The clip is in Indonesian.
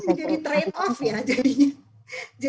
kan menjadi trade off ya jadinya